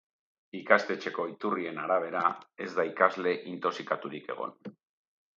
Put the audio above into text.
Ikastetxeko iturrien arabera, ez da ikasle intoxikaturik egon.